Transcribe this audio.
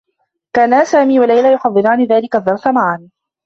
كانا سامي و ليلى يحضران ذلك الدّرس معا.